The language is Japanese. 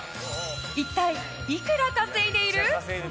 一体いくら稼いでいる？